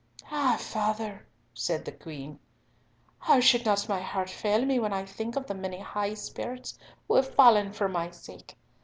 "Ah, Father!" said the Queen, "how should not my heart fail me when I think of the many high spirits who have fallen for my sake?